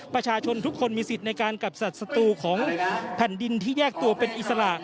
ประชาชนทุกคนมีสิทธิ์ในการกับสัตว์สตูของแผ่นดินที่แยกตัวเป็นอิสระ